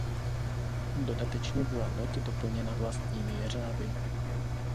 Dodatečně byla loď doplněna vlastními jeřáby.